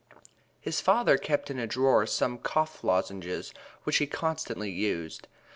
His father kept in a drawer some cough lozenges which he constantly used.